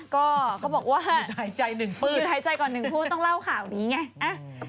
ก็เขาบอกว่าอยู่ท้ายใจก่อนหนึ่งพูดต้องเล่าข่าวนี้ไง